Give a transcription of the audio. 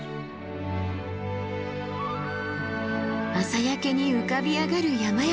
朝焼けに浮かび上がる山々。